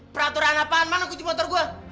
peraturan apaan mana kucing motor gue